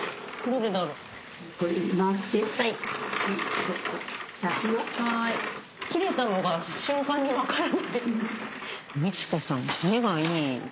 どれだろう？え。